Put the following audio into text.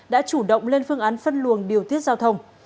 đã chủ động lên phương án phân luồng điều tiết giao thông